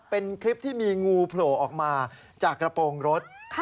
เป็นคลิปที่มีงูโผล่ออกมาจากกระโปรงรถ